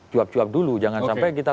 cuap cuap dulu jangan sampai kita